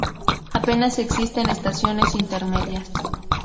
Apenas existen estaciones intermedias.